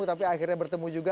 tapi akhirnya bertemu juga